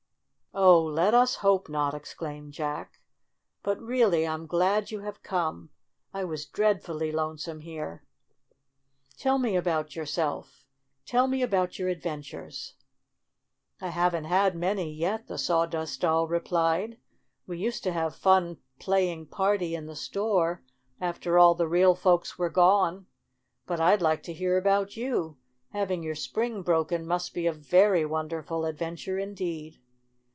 "Oh, let us hope not!" exclaimed Jack. "But, really, I'm glad you have come. I was dreadfully lonesome here! Tell me 54 STORY OF A SAWDUST DOLL about yourself. Tell me about your ad ventures." "I haven't had many yet," the Sawdust Doll replied. "We used to have fun play ing party in the store after all the real folks were gone. But I'd like to hear about you. Having your spring broken must be a very wonderful adventure in deed."